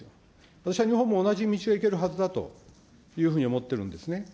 私は日本も同じ道はいけるはずだというふうに思ってるんですね。